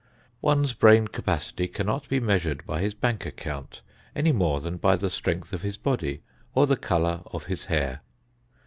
One's brain capacity cannot be measured by his bank account, any more than by the strength of his body or the color of his hair.